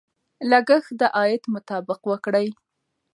لګښت د عاید مطابق وکړئ.